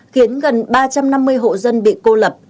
khiến gần ba trăm năm mươi hộ dân bị cô lập